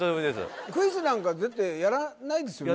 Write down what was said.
クイズなんか出てやらないですよね？